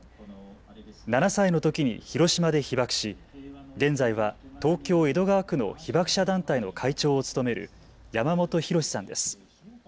７歳のときに広島で被爆し現在は東京江戸川区の被爆者団体の会長を務める山本宏さんです。